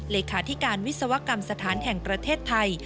เลขาธิการวิศวกรรมสถานแห่งประเทศไทย